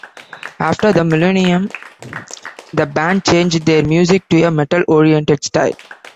After the millennium the band changed their music to a metal-oriented style.